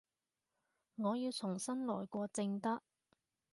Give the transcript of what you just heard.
我要重新來過正得